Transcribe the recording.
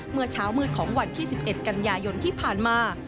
เมื่อเช้ามืดของวันที่๑๑กันยายนที่ผ่านมา